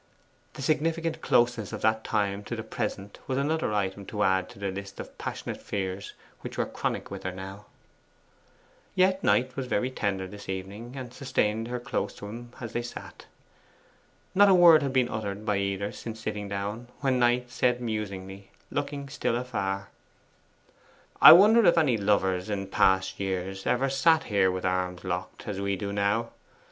The significant closeness of that time to the present was another item to add to the list of passionate fears which were chronic with her now. Yet Knight was very tender this evening, and sustained her close to him as they sat. Not a word had been uttered by either since sitting down, when Knight said musingly, looking still afar 'I wonder if any lovers in past years ever sat here with arms locked, as we do now.